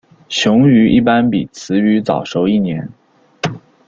雄鱼一般比雌鱼早熟一年。